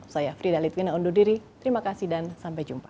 saya frida litwina undur diri terima kasih dan sampai jumpa